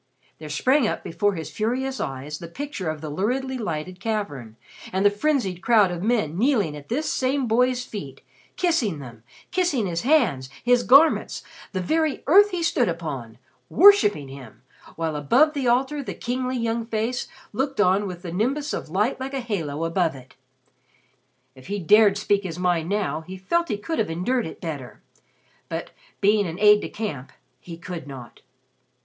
There sprang up before his furious eyes the picture of the luridly lighted cavern and the frenzied crowd of men kneeling at this same boy's feet, kissing them, kissing his hands, his garments, the very earth he stood upon, worshipping him, while above the altar the kingly young face looked on with the nimbus of light like a halo above it. If he dared speak his mind now, he felt he could have endured it better. But being an aide de camp he could not.